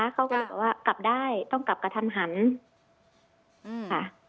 เขาก็เลยบอกว่ากลับได้ต้องกลับกระทันหันค่ะ